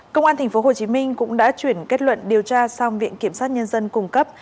công an tp hcm cũng đã chuyển kết luận điều tra sang viện kiểm sát nhân dân cung cấp